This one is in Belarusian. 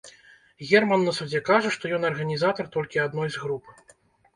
Герман на судзе кажа, што ён арганізатар толькі адной з груп.